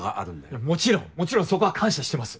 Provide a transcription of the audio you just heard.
いやもちろんもちろんそこは感謝してます。